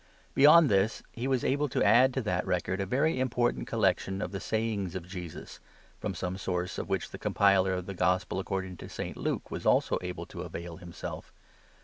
Beyond this,> he was able to add tq that record a very important collection of the Sayings of Jesus?! from some source of which the compiler of ' The i Gospel according to St. Luke ' was also able to avail himself.